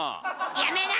やめない！